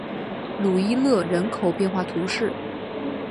鲁伊勒人口变化图示